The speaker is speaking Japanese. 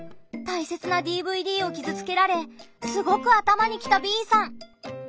たいせつなＤＶＤを傷つけられすごく頭にきたＢさん。